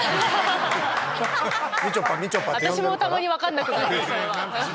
私もたまに分かんなくなります。